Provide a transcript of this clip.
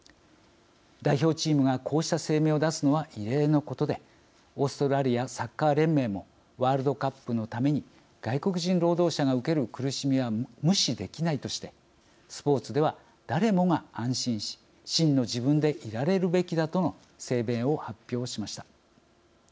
代表チームがこうした声明を出すのは異例のことでオーストラリア・サッカー連盟もワールドカップのために外国人労働者が受ける苦しみは無視できないとして「スポーツでは誰もが安心し真の自分でいられるべきだ」との声明を発表しました。